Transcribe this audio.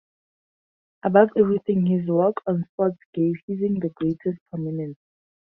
Above everything, his work on sports gave Husing the greatest prominence.